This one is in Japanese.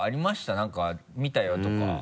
なんか見たよとか。